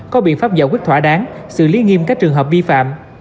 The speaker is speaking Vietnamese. có biện pháp giải quyết thỏa đáng xử lý nghiêm các trường hợp vi phạm